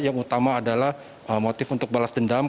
yang utama adalah motif untuk balas dendam